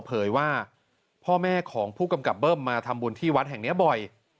เผยว่าพ่อแม่ของผู้กำกับเบิ้มมาทำบุญที่วัดแห่งนี้บ่อย